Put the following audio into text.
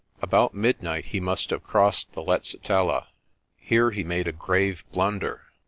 About midnight he must have crossed the Letsitela. Here he made a grave blunder.